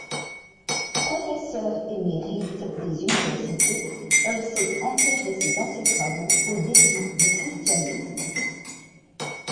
Professeure émérite des universités, elle s'est intéressée dans ses travaux au début du christianisme.